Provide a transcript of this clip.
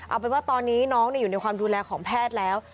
เอาเป็นว่าตอนนี้น้องอยู่ในความดูแลของแพทย์แล้ว